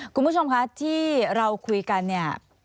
คุณผู้ชมคะที่เราคุยกันเนี่ย